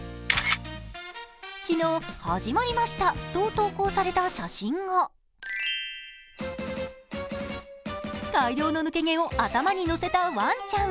昨日「はじまりました」と投稿された写真が大量の抜け毛を頭にのせたワンちゃん。